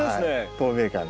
透明感が。